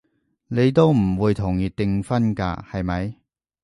你都唔會同意訂婚㗎，係咪？